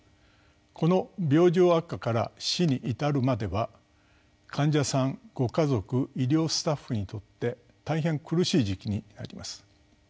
この病状悪化から死に至るまでは患者さんご家族医療スタッフにとって大変苦しい時期になります。